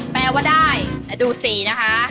แปลว่าได้แต่ดูสีนะคะ